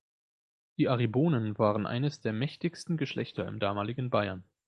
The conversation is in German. Die Aribonen waren eines der mächtigsten Geschlechter im damaligen Bayern.